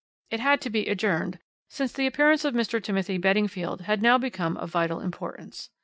It had to be adjourned, since the appearance of Mr. Timothy Beddingfield had now become of vital importance.